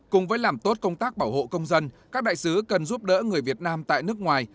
cùng với làm tốt công tác bảo hộ công dân các đại sứ cần giúp đỡ người việt nam tại nước ngoài